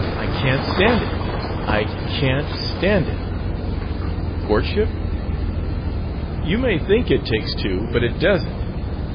I can't stand it! I can't stand it!" "Courtship?" "You may think it takes two, but it doesn't.